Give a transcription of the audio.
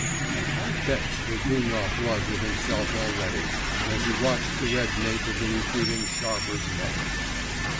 And how vexed Litvinov was with himself already, as he watched the red nape of the retreating sharper's neck!